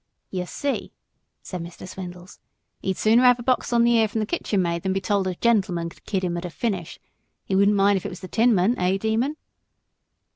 "Yer see," said Mr. Swindles, "he'd sooner have a box on the ear from the kitchen maid than be told a gentleman could kid him at a finish. He wouldn't mind if it was the Tinman, eh, Demon?"